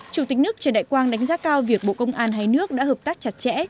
chủ tịch nước trần đại quang đánh giá cao việc bộ công an hai nước đã hợp tác chặt chẽ